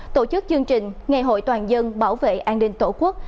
tổ chức chương trình ngày hội toàn dân bảo vệ an ninh tổ quốc